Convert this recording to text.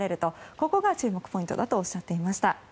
ここが注目ポイントだとおっしゃっていました。